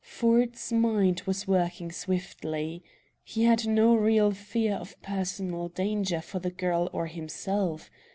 Ford's mind was working swiftly. He had no real fear of personal danger for the girl or himself.